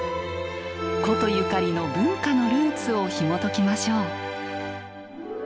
古都ゆかりの文化のルーツをひもときましょう。